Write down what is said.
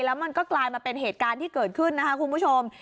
แล้วมันก็กลายมาเป็นเหตุการณ์ที่เกิดขึ้นนะคะคุณผู้ชม